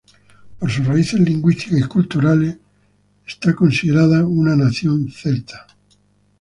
Por sus raíces lingüísticas y culturales, es considerada una nación celta.